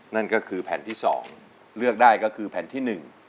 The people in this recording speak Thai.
นั่นก็คือแผ่นที่๒เลือกได้ก็คือแผ่นที่๑